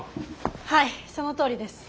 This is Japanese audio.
はいそのとおりです。